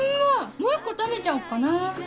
もう１個食べちゃおっかな。